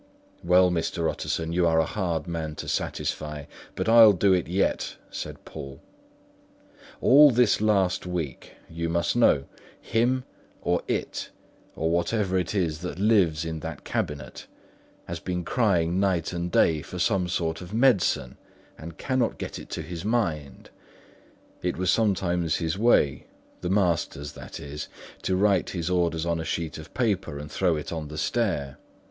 "Well, Mr. Utterson, you are a hard man to satisfy, but I'll do it yet," said Poole. "All this last week (you must know) him, or it, whatever it is that lives in that cabinet, has been crying night and day for some sort of medicine and cannot get it to his mind. It was sometimes his way—the master's, that is—to write his orders on a sheet of paper and throw it on the stair.